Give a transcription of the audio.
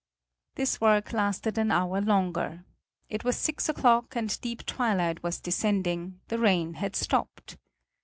This work lasted an hour longer. It was six o'clock, and deep twilight was descending; the rain had stopped.